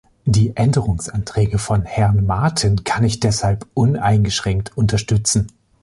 Die Änderungsanträge von Herrn Maaten kann ich deshalb uneingeschränkt unterstützen.